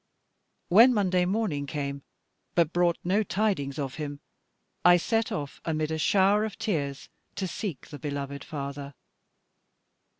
When Monday morning came, but brought no tidings of him, I set off, amid a shower of tears, to seek the beloved father.